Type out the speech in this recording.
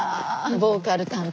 ボーカル担当？